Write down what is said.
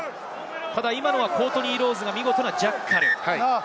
ただ今のはコートニー・ロウズが見事なジャッカル。